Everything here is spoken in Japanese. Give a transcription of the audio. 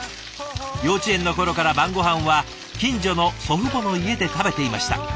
幼稚園の頃から晩ごはんは近所の祖父母の家で食べていました。